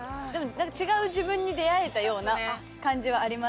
違う自分に出会えたような感じはあります。